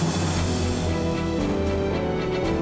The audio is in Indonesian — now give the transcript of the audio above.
ya tak ada apa apa